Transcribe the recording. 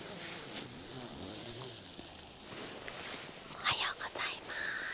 おはようございます。